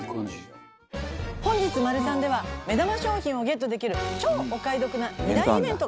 本日マルサンでは目玉商品をゲットできる超お買い得な２大イベントが開催。